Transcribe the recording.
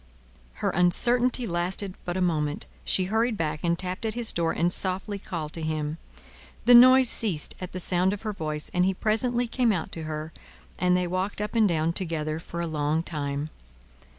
Her uncertainty lasted but a moment; she hurried back, and tapped at his door, and softly called to him. The noise ceased at the sound of her voice, and he presently came out to her, and they walked up and down together for a long time.